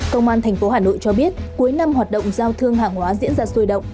công an thành phố hà nội cho biết cuối năm hoạt động giao thương hàng hóa diễn ra sôi động